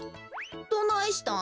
どないしたん？